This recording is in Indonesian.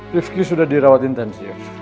rifki sudah dirawat intensif